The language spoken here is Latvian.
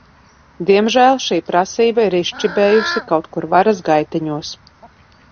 Diemžēl šī prasība ir izčibējusi kaut kur varas gaiteņos.